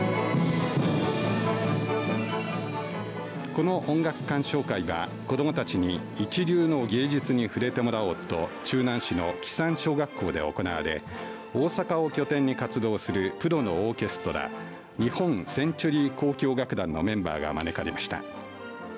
この音楽鑑賞会は子どもたちに一流の芸術に触れてもらおうと周南市の木山小学校で行われ大阪を拠点に活動するプロのオーケストラ日本センチュリー交響楽団のメンバーが招かれました。